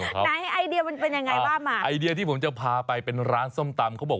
ติดที่ที่หรือเปล่าครับ